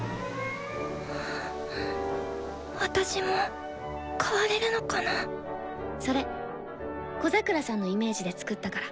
私も変われるのかなそれ小桜さんのイメージで作ったから。